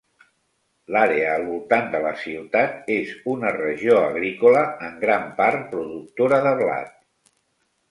L'àrea al voltant de la ciutat és una regió agrícola, en gran part productora de blat.